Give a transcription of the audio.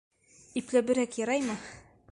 Ипләберәк, яраймы?